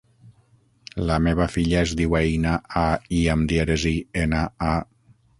La meva filla es diu Aïna: a, i amb dièresi, ena, a.